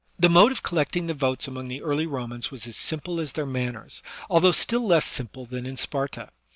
The mode of collecting the votes among the early Ro mans was as simple as their manners, although still less simple than in Sparta.